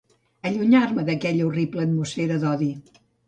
Allunyar-me d'aquella horrible atmosfera d'odi